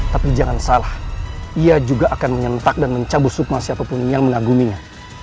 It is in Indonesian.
tapi jangan salah ia juga akan menyentak dan mencabut supma siapapun yang mengaguminya